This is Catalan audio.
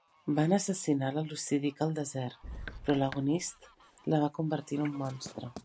Van assassinar la Lucidique al desert, però l'Agonistes la va convertir en un monstre.